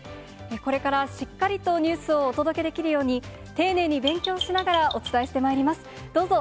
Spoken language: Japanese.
これからしっかりとニュースをお届けできるように、丁寧に勉強しながらお伝えしてまいります。